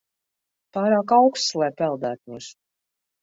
Pārāk auksts, lai peldētos.